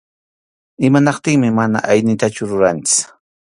Imanaptinmi mana aynitachu ruranchik.